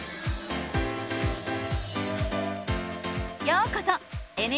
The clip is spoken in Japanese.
ようこそ！